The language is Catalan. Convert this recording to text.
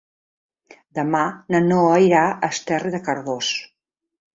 Demà na Noa irà a Esterri de Cardós.